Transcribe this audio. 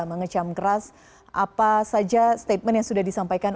mengecam keras apa saja statement yang sudah disampaikan